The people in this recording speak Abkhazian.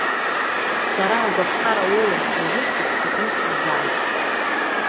Сара агәаԥхара уоурц азы сыццакны сузааит.